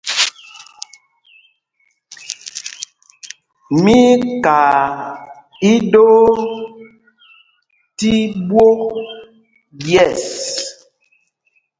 Mí í kaa iɗoo i ɓwôk ɓyɛ̂ɛs.